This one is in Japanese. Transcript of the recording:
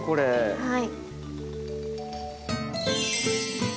はい。